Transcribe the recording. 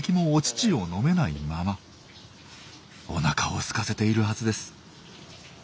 おなかをすかせているはずです。